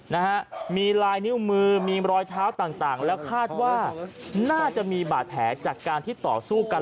นะฮะมีลายนิ้วมือมีรอยเท้าต่างต่างแล้วคาดว่าน่าจะมีบาดแผลจากการที่ต่อสู้กัน